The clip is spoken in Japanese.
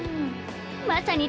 まさに